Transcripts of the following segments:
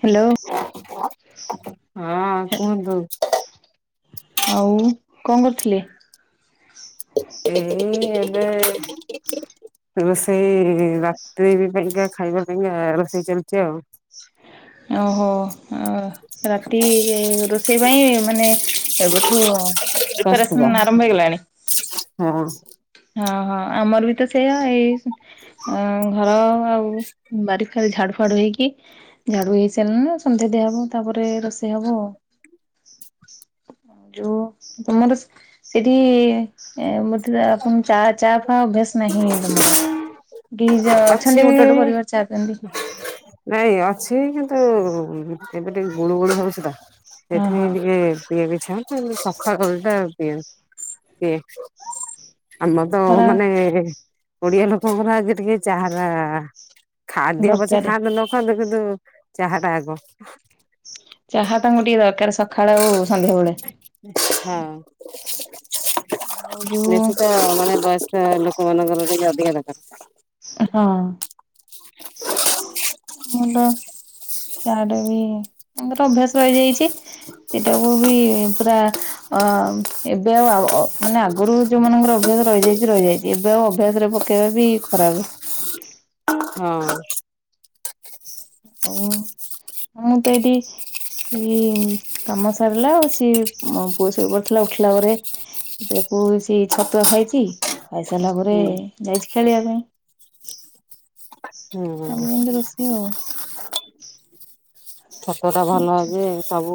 Hello. ହଁ କୁହନ୍ତୁ ଆଉ କଣ କରୁଥିଲେ। ଏଇ ଏବେ [unintelligible] ରୋଷେଇ ରାତ୍ରି ପାଇଁକା ଖାଇବା ପାଇଁକା ରୋଷେଇ ଚାଲିଛି ଆଉ। ଓହୋ ରାତି ରୋଷେଇ ପାଇଁ ମାନେ ଏବେଠୁ ପ୍ରସ୍ତୁତ। ପ୍ରିପାରେସନ ଆରମ୍ଭ ହେଇଗଲାଣି। ହଁ ହଁ ହଁ ଆମର ବି ତ ସେଆ ଏଇ ଆଉ ଘର ଆଉ ବାରିଫାରି ଝାଡୁ ଫାଡୁ ହେଇକି ଝାଡୁ ହେଇସାରିଲାଣି ନା ସନ୍ଧ୍ୟା ଦିଆ ହବ ତାପରେ ରୋଷେଇ ହବ ଆଉ। ଯୋଉ ତମର ସେଠି ସେଠି ମତେ ଆପଣଙ୍କୁ ଚା ଚା ହଁ ଅଭ୍ୟାସ ନାହିଁ ତମର କି ଯୋଉ ଅଛି ଅଛନ୍ତି ଗୋଟେ ଗୋଟେ ପରିବାର ଅଛନ୍ତି ଚା ପିଅନ୍ତି। ନାଇଁ ଅଛି କିନ୍ତୁ ଏମିତି ଗୁଳୁ ଗୁଳିୁ ହେଉଥିଲା। ହଁ ସେଥିପାଇଁ ହଁ ଟିକେ ପିଇ [unintelligible] ସକାଳ ଓଳିଟା ପିଏ ପିଏ। ଆମ ତ ଖରା ମାନେ ଓଡିଆ ଲୋକଙ୍କର ଆଜି ଟିକେ ଚାହାଟା ଖାଦ୍ୟ ପଛେ ଦରକାରେ। ଖାଆନ୍ତୁ ନଖାନ୍ତୁ କିନ୍ତୁ ଚାହା ଟା ଆଗ ଚାହା ତାଙ୍କୁ ଟିକେ ଦରକାର ସକାଳେ ହୋଊ ସନ୍ଧ୍ୟାବେଳେ ହୋଊ। ହଁ ଯୋଉ ବେଶୀ ତ ମାନେ ବୟସ୍କ ଲୋକମାନଙ୍କର ଟିକେ ଅଧିକା ଦରକାର। ହଁ। ମୁଣ୍ଡ ଚା ଟା ବି ତାଙ୍କର ଅଭ୍ୟାସ ରହିଯାଇଛି। ସେଇଟାକୁ ବି ପୁରା ଏବେ ଆଉ ମାନେ ଆଗରୁ ଯୋଉ ମାନଙ୍କର ଅଭ୍ୟାସ ରହିଯାଇଛି ରହିଯାଇଛି ଏବେ ଆଉ ଅଭ୍ୟାସ ରେ ପକେଇବା ବି ଖରାପ। ହଁ। ଓହୋ ମୁଁ ତ ଏଇଠି ଠି କାମ ସରିଲା ଆଉ ସିଏ ପୁଅ ଶୋଇ ପଡ଼ିଥିଲା ଉଠିଲା ପରେ ତା ପୁଅ ମିଶି ଛତୁଆ ଖାଇଛି ଖାଇସାରିଲା ପରେ ହୁଁ। ଯାଇଛି ଖେଳିବା ପାଇଁ। ତମ ର ହୁଁ କେମିତି ରୋଷେଇ ହବ। ଛତୁଆ ଟା ଭଲ ଅଛି ସବୁ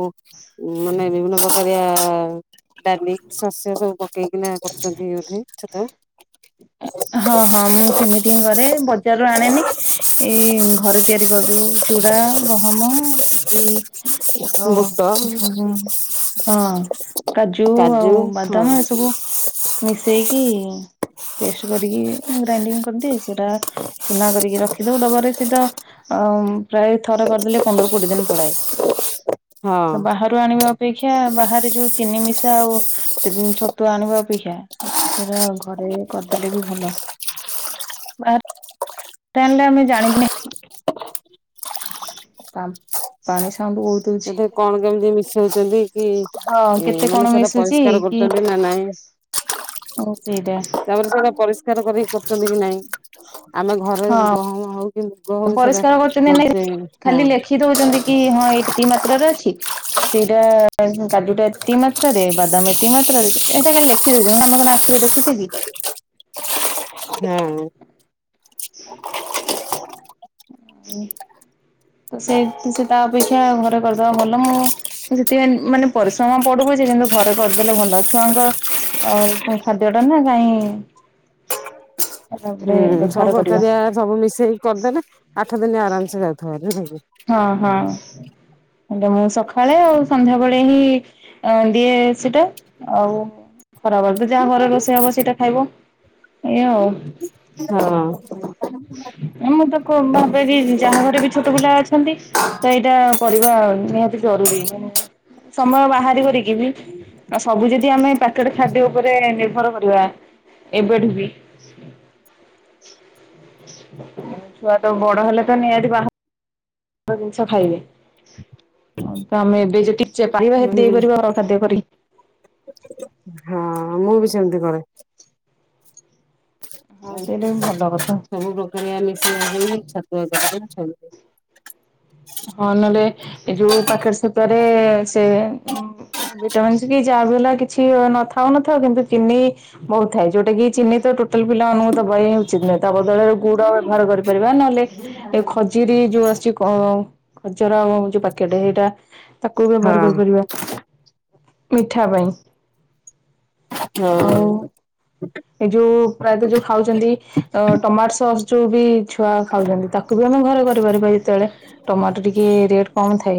ମାନେ ବିଭିନ୍ନ ପ୍ରକାରିଆ ଡାଲି ଶସ୍ୟ ସବୁ ପକେଇକି ନା କରୁଛନ୍ତି ବୋଧେ ଛତୁଆ। ହଁ ହଁ ମୁଁ ସେମିତି ହିଁ କରେ ବଜାରରୁ ଆଣେନି ଏଇ ଘରେ ତିଆରି କରୁ ଚୁଡା ଗହମ କି ବୁଟ ହ୍ୟାଲୋ [unintelligible] ହଁ କାଜୁ ଆଉ ବାଦାମ ଏସବୁ ମିଶେଇକି ପେଷ୍ଟ କରିକି ଗ୍ରାଇଣ୍ଡିଙ୍ଗ କରିଦିଏ ସେଟା ଚୁନା କରିକି ରଖିଦଉ ଡବାରେ ସେଟା। ଅ ପ୍ରାୟ ଥରେ କରିଦେଲେ ପନ୍ଦର କୋଡିଏ ଦିନ ହଁ ପଳାଏ ବା ଛତୁଆ ଆଣିବା ଅପେକ୍ଷା ବାହାରେ ଯୋଉ ଚିନି ମିଶା ଆଉ ଛତୁଆ ଆଣିବା ଅପେକ୍ଷା ସେଟା ଘରେ କରିଦେଲେ ବି ଭଲ। ତା ହେଲେ ଆମେ ଜାଣିନି ତା ପାଣି ସାଉଣ୍ଡ ବହୁତ। ହଉଛି। ସେଠି କଣ କେମିତି ମିଶାଉଛନ୍ତି କି ହଁ ଏ କେତେ ମାନେ କଣ ସେଟା ମିଶୁଛି ପରିଷ୍କାର କି କରୁଛନ୍ତି ନା ନାଇଁ। ସେଇଟା ତାପରେ ସେଟା ପରିଷ୍କାର କରିକି କରୁଛନ୍ତି କି ନାଇଁ? ଆମେ ଘରେ ହଁ ଗହମ ଆଉ ଲଗ ହଉ ସେଟା ପରିଷ୍କାର କରୁଛନ୍ତି ନା ମଗେଇ ଖାଲି ଲେଖି ହଁ। ଦଉଛନ୍ତି କି ହଁ ଏତିକି ମାତ୍ରାରେ ଅଛି। ସେଇଟା କାଜୁ ଟା ଏତିକି ମାତ୍ରାରେ, ବାଦାମ ଏତିକି ମାତ୍ରାରେ ଏଇଟା କାଲି ଲେଖି ଦେଉଚନ୍ତି ଆମେ କଣ ଆଖିରେ ଦେଖୁଚେ କି? ହଁ। ହୁଁ। ତ ସେଇ ସେ ତା ଅପେକ୍ଷା ଘରେ କରିଦବା ଭଲ ମୁଁ ସେଇତିଆନେ ମାନେ ପରିଶ୍ରମ ପଡୁ ପଛେ, କିନ୍ତୁ ଘରେ କରିଦେଲେ ଭଲ ଛୁଆଙ୍କ ଆଉ ତା ଖାଦ୍ୟ ଟା ନା କାହିଁ ହୁଁ ସବୁ ପ୍ରକାରଆ ସବୁ ମିଶେଇକି କରିଦେଲେ, ଆଠ ଦିନ ଆରାମସେ ଯାଉଥିବ ଭାରି [unintelligible] ହଁ ହଁ ଏବେ ମୁଁ ସକାଳେ ଆଉ ସନ୍ଧ୍ୟାବେେଳେ ହିଁ ଅ ଦିଏ ସେଟା ଆଉ ଖରାବେଳେ ତ ଯାହା ଘରେ ରୋଷେଇ ହବ ସେଇଟା ଖାଇବ। ଏଇଆ ଆଉ। ହଁ ମୁଁ ତ କ ଭାବେ କି ଯାହା ଘରେ ବି ଛୋଟ ପିଲା ଅଛି ଅଛନ୍ତି ତ ଏଇଟା କରିବା ନିହାତି ଜରୁରୀ ମାନେ ସମୟ ବାହାର କରିକି ବି ଆଉ ସବୁ ଯଦି ଆମେ ପ୍ୟାକେଟ ଖାଦ୍ୟ ଉପରେ ନିର୍ଭର କରିବା ଏବେଠୁ ବି ଛୁଆ ତ ବଡ ହେଲେ ତ ନିହାତି ବାହ ଜିନିଷ ଖାଇବେ, ତ ଆମେ ଏବେ ଯେ ଟିଚେ କଲେ ହେତିକି ହୁଁ ଦେଇପାରିବା ଘର ଖାଦ୍ୟ କରିିକି। ହଁ ମୁଁ ବି ସେମିତି କରେ ଆଉ ସେଇଟା ବି ଭଲ କଥା। ସବୁ ପ୍ର [unintelligible] ହଁ ନହେଲେ ଏଇ ଯୋଉ ପାକେଟ ସତୁଆ ରେ ସେ ଉଁ ଭିଟାମିନସ୍ କି ଯାହାବି ହେଲା କିଛି ନଥାଉ ନଥାଉ କିନ୍ତୁ ଚିନି ବହୁଥାଏ, ଯଉଟା କି ଚିନି ତ ଟୋଟାଲ ପିଲା ମାନଙ୍କୁ ଦବା ହିଁ ଉଚିତ ନୁହେଁ ତା ବଦଳରେ ଗୁଡ ବ୍ୟବହାର କରିପାରିବା ନହେଲେ ଏ ଖଜୁରୀ ଯୋଉ ଆସିଚି ହଁ ଖଜରା ଯୋଉ ପାକେଟ ଏଇଟା ତାକୁ ହଁ ବ୍ୟବହାର କରିପାରିବା। ମିଠା ପାଇଁ ଆଉ ଏ ଯୋଉ ପ୍ରାୟତଃ ଯୋଉ ଖାଉଚନ୍ତି ଅ ଟମାଟୋ ସସ୍ ଯୋଉ ବି ଛୁଆ ଖାଉଚନ୍ତି ତାକୁ ବି ଆମେ ଘରେ କରିପାରିବା ଯେତେବେଳେ। ଟମାଟୋ ଟିକେ ରେଟ୍ କମ୍ ଥାଏ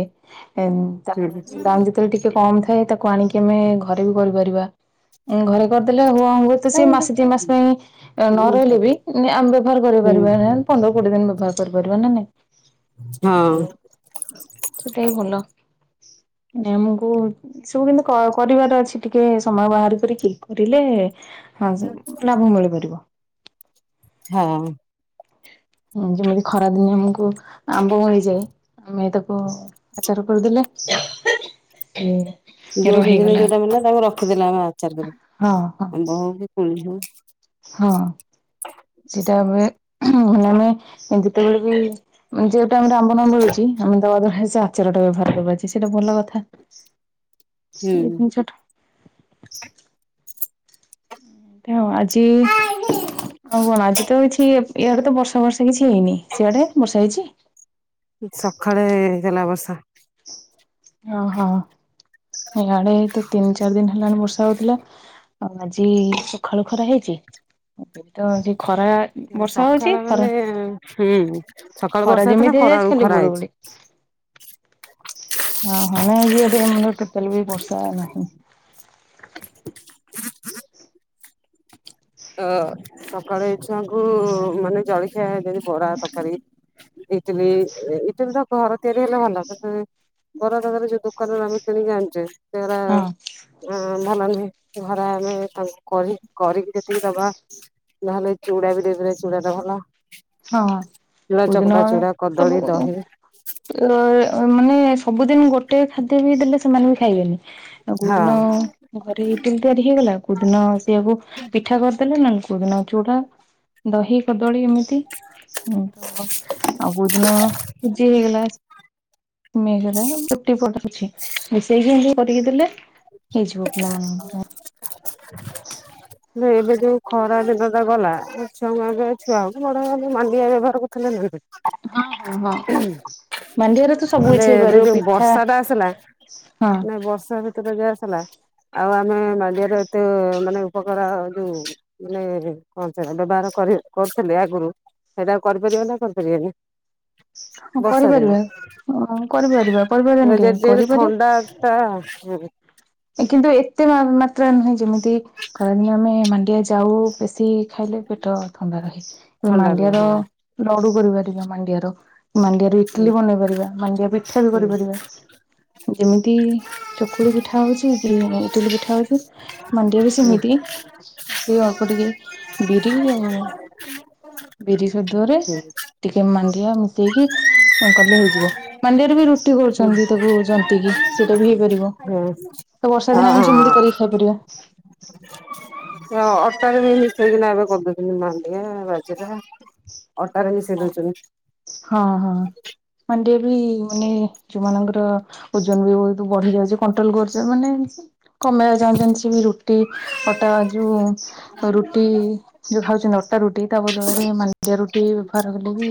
ଏଁ ହୁଁ ତା ଦି ରେ ଟିକେ କମ ଥାଏ ତାକୁ ଆଣିକି ଆମେ ଘରେ ବି କରିପାରିବା ଏଁ ଘରେ କରିଦେଲେ ହୁଆଙ୍ଗୁ ତ ସେ ମାସେ ଦି ମାସ ପାଇଁ ନ ରହିଲେ ବି ଆମେ ବେବହାର କରି ପାରିବା [unintelligible] ପନ୍ଦର କୋଡିଏ ଦିନ ବ୍ୟବହାର କରିପାରିବା ନା ନାଇଁ? ହଁ। ଅନ ସେଟା ବି ଭଲ ନେ ଆମକୁ ଏ ସବୁ କିନ୍ତୁ କ କରିବାର ଅଛି ଟିକେ ସମୟ ବାହାରି କରିକି କରିଲେ ହଁ ସେ ଲାଭ ମିଳିପାରିବ। ହଁ। ହୁଁ ଯେମିତି ଖରାଦିନେ ଆମକୁ ଆମ୍ବ ମିଳି ଯେ ଆମେ ତାକୁ ଆଚାର କରିଦେଲେ ସେ ଯୋଉ ସିଜିନ ରେ ରହିଗଲା ଯୋଉଟା ମିଲା ତାଙ୍କୁ ରଖିଦେଲା ଆମେ ଆଚାର ହଁ କରିକି ହଁ ଆମ୍ବ ହଉ କି କୋଳି ହଉ। ହଁ ସେଇଟା ଏବେ ମାନେ ଯେତେବେଳେ ବି ଯୋଉ ଟାଇମ୍ ଟା ଆମ୍ବ ନ ମିଳୁଚି ଆମେ ବଦଳରେ ସେ ଆଚାରଟା ବ୍ୟବହାର କରି ପରୁଚେ ସେଇଟା ଭଲ କଥା। ଏଇ ହୁଁ। ତିନି ଛଟ ହଁ ଆଜି ଆଉ କଣ ଆଜି ତ କିଛି ଏପ୍ ଇଆଡେ ତ ବର୍ଷା ଫର୍ଷା କିଛି ହେଇନି ସେଆଡ଼େ ବର୍ଷା ହେଇଚି? ସଖାଳେ ହେଇଥିଲା ବର୍ଷା। ଓହୋ ଏଆଡେ ତ ତିନି ଚାରି ଦିନ ହେଲାଣି ବର୍ଷା ହଉଥିଲା। ଆଜି ସଖାଳୁ ଖରା ହେଇଚି ବେଟ ଟିକେ ଖରା ବର୍ଷା ହଉଛି ସଖାଳ ଖରା ମାନେ ହୁଁ ସକାଳୁ ଖରା ବର୍ଷା ହେଇଥିଲା ଯେମିତି ହେଇଯାଇଛି ଖରାବେଳୁକୁ ଖାଲି ଖରା ହେଇଚି। [unintelligible] [inaudible] ଆମର ଟୋଟାଲି ବି ବର୍ଷା ନାହିଁ। ତ ସକାଳେ ଏ ଛୁଆଙ୍କୁ ମାନେ ଜଳଖିଆ ଦେଲି ବରା, ତରକାରୀ। ଇଟିଲି ଇଟିଲି ତ ଘର ତିଆରି ହେଲେ ଭଲ [unintelligible] ବରା ତରକାରୀ ଯୋଉ ଦୋକାନରୁ ଆମେ କିଣିକି ଆଣୁଚେ ହଁ। ଅଁ ଭଲ ନୁହେଁ ଘରେ ଆମେ ତାଙ୍କୁ କରି କରିକିରି ଦେଇ ଦବା ନହେଲେ ଚୁଡା ବି ଦେଇଦଲେ ଚୁଡାଟା ଭଲ। ହଁ ଚୁଡା କୋଉଦିନ ଚକଟା ଚୁଡା ସବୁ କଦଳୀ ଦହି ଅ ମାନେ ସବୁଦିନ ଗୋଟେ ଖାଦ୍ୟ ବି ଦେଲେ ସେମାନେ ବି ଖାଇବେନି। ଆଉ କୋଉଦିନ ହଁ ଘରେ ଇଟିଲି ତିଆରି ଆଜି ହେଇଗଲା କୋଉଦିନ ସେଇଆକୁ ପିଠା କରିଦେଲେ ନାଇଁ କୋଉଦିନ ଚୁଡା ଦହି, କଦଳୀ ଏମିତି ହୁଁ ଆଉ କୋଉଦିନ ସୁଜି ହେଇଗଲା। ସିମେଇ ହେଇଗଲା ରୁଟି ପରଟା କିଛି ମିଶେଇକି ଏନ୍ତି କରିକି ଦେଲେ ହେଇଯିବ ପିଲାମାନଙ୍କ ପାଇଁ। [unintelligible] ଏବେ ଯୋଉ ଖରାଦିନଟା ଗଲା ଛୁଆ ଏବେ ଛୁଆ ହଉ କି ବଡମାନେ ମାଣ୍ଡିଆ ବ୍ୟବହାର କରୁଥିଲେ ନା ନାଇଁ। [unintelligible] ମାଣ୍ଡିଆରେ ତ ହେଲେ ସବୁକିଛି ଏବେ ହେଇପାରିବ ଯୋଉ ପିଠା ବର୍ଷା ହଁ ତୋର ଗ୍ୟାସ ହେଲା ଆଉ ଆମେ ମାଣ୍ଡିଆରେ ଏତେ ମାନେ ଉପକାର ଯୋଉ ମାନେ କଣ ସେଟା ବ୍ୟବହାର କରି କରୁଥିଲେ ଆଗୁରୁ ସେଇଟା ଆଉ କରିପାରିବେ ନା କରିପାରିବେନି। ହଁ କରିପାରିବା। ହଁ କରିପାରିବା କରିପାରିବାନି ବର୍ଷାଦିନେ କାହିଁକି [unintelligible] କରିପାରିବା ଥଣ୍ଡା [unintelligible] କିନ୍ତୁ ଏତେ ମା ମାତ୍ରାରେ ନୁହେଁ ଯେମିତି ଖରାଦିନେ ଆମେ ମାଣ୍ଡିଆଜାଉ ବେଶୀ ଖାଇଲେ ପେଟ ଥଣ୍ଡା ରହେ। ଥଣ୍ଡା ରୁହେ ମାଣ୍ଡିଆର ହଁ। ଲଡୁ କରିିପାରିବା ମାଣ୍ଡିଆର ମାଣ୍ଡିଆ ଇଟିଲି ହୁଁ ବନେଇପାରିବା ମାଣ୍ଡିଆପିଠା ବି ହୁଁ କରିପାରିବା ଯେମତି ଚକୁଳି ପି ଠା ହଉଚି ଇଟିଲି [unintelligible] ଇଟିଲି ପିଠା ହଉଚି ମାଣ୍ଡିଆ ବି ସେମିତି ଆ ସେ ଅଳ୍ପ ଟିକେ ବିରି ଆଉ ବିରି ସଦୁଅରେ ଟିକେ ମାଣ୍ଡିଆ ମିଶେଇକି କଲେ ହେଇଯିବ ମାଣ୍ଡିଆରେ ବି ରୁ ଟି ହୁଁ କରୁଛନ୍ତି ତାକୁ ଜନ୍ତିକିି ସେଇଟା ବି ହେଇପାରିବ। [unintelligible] ତ ହଁ ବର୍ଷାଦିନେ ଆମେ ଯେମିତି କରିକି ଖାଇପାରିବା। ଅ ଅଟାରେ ବି ମିଶେଇକି ନା ଏବେ କରିଛନ୍ତି ମାଣ୍ଡିଆ, ବାଜେରା ଅଟାରେ ମିଶେଇ ଦଇଛନ୍ତି। ମଣ୍ଡିଆ ବି ମାନେ ଯୋଉମାନଙ୍କର ଓଜନ ବି ବହୁତ ବଢିଯାଉଚି କଣ୍ଟ୍ରୋଲ କରୁଚି ମାନେ ଏମତି କମେଇଆ ଚାହୁଁଚନ୍ତି ସିଏ ବି ରୁଟି ଅଟା ଯୋଉ ରୁଟି ଯୋଉ ଖାଉଛନ୍ତି ଅଟା ରୁଟି ତା ବଦଳରେ ମାଣ୍ଡିଆ ରୁଟି ପାର ହେଲେ ବି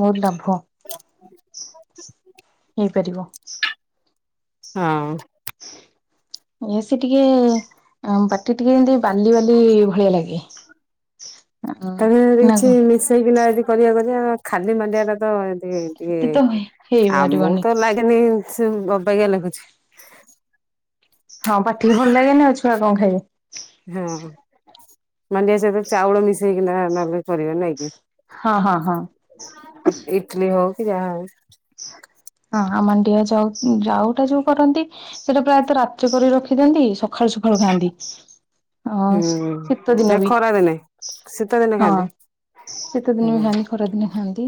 ମୋର ଲାଭ। ହେଇପାରିବ। ହଁ। ଏସି ଟିକେ ଆଉ ପାଟି ଟିକିଏ ଏତେ ବାଲି ବାଲି ଭଳିଆ ଲାଗେ। ନା ତାହାଲେ କିଛି କଣ ମିଶେଇକି ନା ଏଦି କରିଆ କରିଆ ଖାଲି ମାଣ୍ଡିଆଟା ତ ସେ ଟିକେ ଏତେ ତ ଆମୁକୁ ହେଇପାରିବନି। ତ ଲାଗେନି ସେ ଅବାଗିଆ ଲାଗୁଛି। ହଁ ପାଟିକି ଭଲ ଲାଗେନି ଆଉ ଛୁଆ କଣ ଖାଇବେ। ହଁ ମାଣ୍ଡିଆ ସହିତ ଚାଉଳ ମିଶେଇକି ନା ନ କରିବା ନା କି। ହଁ ହଁ ହଁ। ଇଟଲି ହଉକି ଆଉ। ହଁ ଆମ ଡିଅ ଯାଉ ଯାଉଟା ଯୋଉ କରନ୍ତି। ସେଇଟା ପ୍ରାୟତଃ ରାତି କରି ରଖିଥାିନ୍ତି ସଖାଳୁ ସକାଳୁ ଖାଆନ୍ତି। ହଁ ହୁଁ ଶୀତ ଏ ଦିନ ବି ଖରା ଦିନେ। ଶୀତ ଦିନେ ହଁ। ଖାଆନ୍ତି ଶୀତେ ଦିନ ବି ହୁଁ ଖାଆନ୍ତି ଖରାଦିନେ ଖାଆନ୍ତି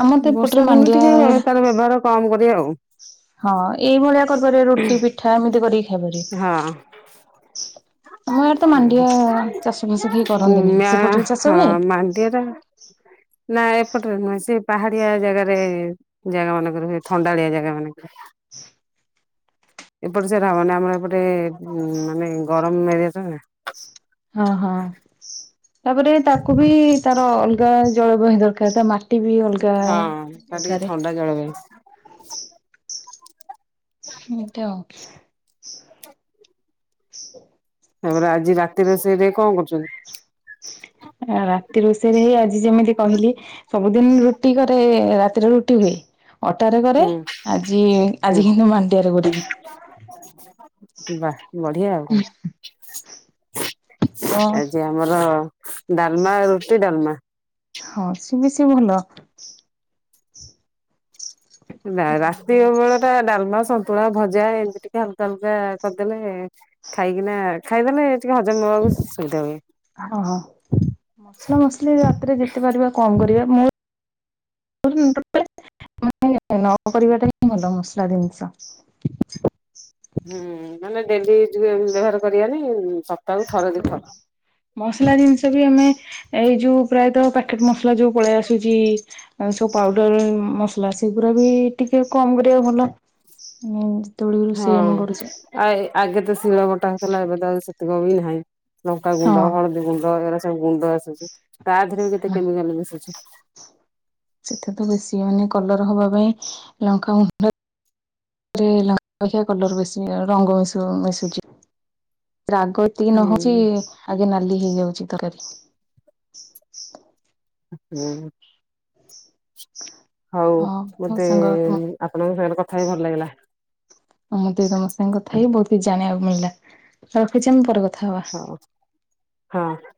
ଆମର ତ ବର୍ଷା ଏପଟରେ ଦିନେ ମାଣ୍ଡି ଟିକେ ଭ ତାର ବ୍ୟବହାର କମ କରିବା ଆଉ। ହଁ ଏଇ ଭଳିଆ କରପାରିବେ ରୁଟି ପିଠା ଏମିତି କରିକି ଖାଇପାରିବେ। ଆମ ଏରା ତ ମାଣ୍ଡିଆ ଚାଷ ଫାସ କେହି କରନ୍ତିନି ସେପଟରେ ଚାଷ ହୁଏ। ପାଣ୍ଡିଆଟା ନା ଏପଟରେ ନୁହେଁ ସେ। ପାହାଡିଆ ଜାଗାରେ ଜାଗା ମାନଙ୍କରେ ହୁଏ ଥଣ୍ଡାଳିଆ ଜାଗା ମାନଙ୍କରେ। ଏପଟେ ସେଟା ମାନ ଆମର ଏପଟେ ମାନେ ଗରମ ଏରିଆ ତ ନା। ହଁ ହଁ। ତାପରେ ତାକୁ ବି ତାର ଅଲଗା ଜଳବହି ଦରକାର ତା ମାଟି ବି ଅଲଗା। ହଁ ତା ଟିକେ ଦରକାରେ ଥଣ୍ଡା ଜଳବାୟୁ। ଏମିତି ଆଉ। ତାପରେ ଆଜି ରାତି ରୋଷେଇ ଟେ କଣ କରୁଛନ୍ତି? ରାତି ରୋଷେଇରେ ହିଁ ଆଜି ଯେମିତି କହିଲି ସବୁ। ସବୁଦିନ ରୁଟି କରେ ରାତିରେ ରୁଟି ହୁଏ। ଅଟାରେ କରେ ହୁଁ ଆଜି ହୁଁ ଆଜି ହିଁ ମାଣ୍ଡିଆରେ କରିବି। ବା ବଢିଆ କ ଆ ଯା ଆମର ଡାଲମା ରୁଟି ଡାଲମା। ହଁ ସି ବେଶି ଭଲ। ନା ରାତି ହଁ ଅବଳ ଟା ଡାଲମା ସନ୍ତୁଳା ଭଜା ଏମିତିକା ହାଲକା ହାଲକା କରିଦେଲେ ଖାଇକିନା ଖାଇଦେନେ ଟିକେ ହଜମ ହବ ସୁବିଧା ହୁଏ। ଓ ହଁ ମସଲା ମସଲି ରାତିରେ ଯେତେ ପାରିବା କଣ କରିବା ମୁଁ [unintelligible] ମାନ ନ କରିବାଟା ହିଁ ଭଲ ମସଲା ଜିନିଷ। ହୁଁ ମାନେ ଡେଲି ବ୍ୟବହାର କରିବାନି ସ ହୋ ମସଲା ଜିନିଷ ବି ଆମେ ଏଇ ଯୋଉ ପ୍ରାୟତଃ ପ୍ୟାକେଟ ମସଲା ଯୋଉ ପଳେଇ ଆସୁଚି। ଆଉ ସବୁ ପାଉଡର ମସଲା ସେଗୁରା ବି ଟିକେ କମ କରିବାକୁ ଭଲ। ଯେତେବେଳେ ରୋଷେଇ ଆମେ ହଁ କରୁଛେ ଆ ଆଗେ ତ ଶିଳ ବଟା ହେଥିଲା ଏବେ ତ ଆଉ ସେତିକ ବି ନାହିଁ। ଲଙ୍କା ହଁ ଗୁଣ୍ଡ ହଳଦୀ ଗୁଣ୍ଡ ଏରା ସବୁ ଗୁଣ୍ଡ ଆସୁଛି ତା ଦେହରେ ବି କେତେ କେମିକାଲ ମିଶୁଛି। ସେଠା ତ ବେଶୀ ମାନେ କଲର ହବା ପାଇଁ ଲଙ୍କା ଗୁଣ୍ଡ। ରେ ଲଖିଆ କଲର ବେଶି ରଙ୍ଗ ମିଶ ମିଶୁଛି ରାଗ। ଏତିକି ନହଉଛି ହୁଁ ଆଗେ ନାଲି ହେଇଯାଉଛି ତରକାରୀ। ହୁଁ। [inaudible] ହଉ ହଁ ମୋ ମତେ ସାଙ୍ଗ ତମ ଆପଣଙ୍କ ସାଙ୍ଗରେ କଥା ହେଇ ଭଲ ଲାଗିଲା। ଆଉ ମତେ ତମ ସାଙ୍ଗେ କଥା ହେଇ ବହୁତ କିଛି ଜାଣିବାକୁ ମିଳିଲା ରଖିଛି ଆମେ ପରେ କଥା ହବା। ହଁ ହଁ।